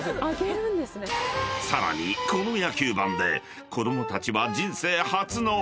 ［さらにこの野球盤で子供たちは］